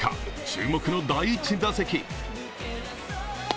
注目の第１打席。